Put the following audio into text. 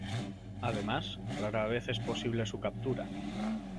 Además, rara vez es posible su captura.